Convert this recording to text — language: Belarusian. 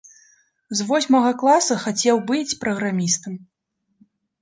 З восьмага класа хацеў быць праграмістам.